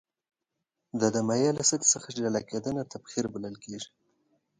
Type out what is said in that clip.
دا د مایع له سطحې څخه جلا کیدل تبخیر بلل کیږي.